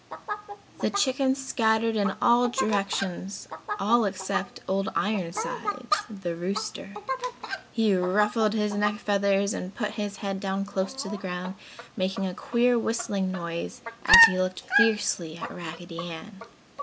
The chickens scattered in all directions, all except Old Ironsides, the rooster. He ruffled his neck feathers and put his head down close to the ground, making a queer whistling noise as he looked fiercely at Raggedy Ann.